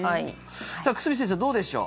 久住先生どうでしょう。